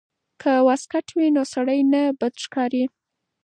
که واسکټ وي نو سړی نه بد ښکاریږي.